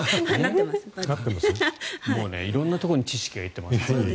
色んなところに知識がいってます。